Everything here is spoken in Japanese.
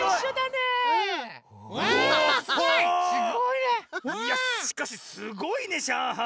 いやしかしすごいね上海。